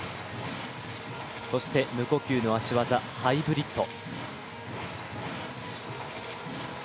そして無呼吸の足技、ハイブリッド。